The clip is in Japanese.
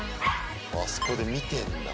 あそこで見てるんだ。